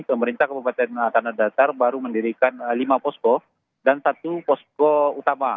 pemerintah kabupaten tanah datar baru mendirikan lima posko dan satu posko utama